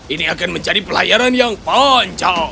ini akan menjadi pelayaran yang panjang